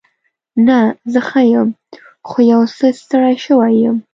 نه، زه ښه یم. خو یو څه ستړې شوې یم.